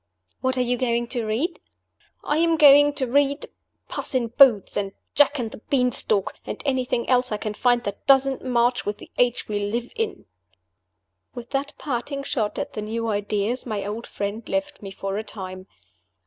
"What are you going to read?" "I am going to read Puss in Boots, and Jack and the Bean stalk, and anything else I can find that doesn't march with the age we live in." With that parting shot at the new ideas, my old friend left me for a time.